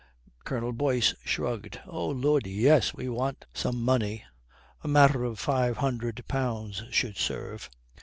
Colonel Boyce shrugged. "Oh Lud, yes, we'll want some money. A matter of five hundred pounds should serve."